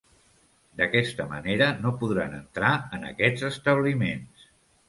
D'aquesta manera, no podran entrar en aquests establiments.